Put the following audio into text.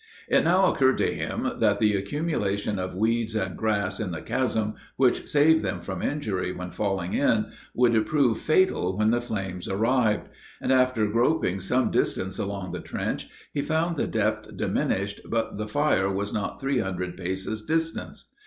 It now occurred to him that the accumulation of weeds and grass in the chasm, which saved them from injury when falling in, would prove fatal when the flames arrived. And after groping some distance along the trench, he found the depth diminished, but the fire was not three hundred paces distant.